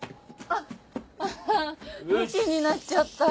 あむきになっちゃった。